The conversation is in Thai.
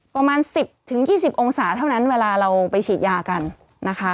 ประมาณ๑๐๒๐องศาเท่านั้นเวลาเราไปฉีดยากันนะคะ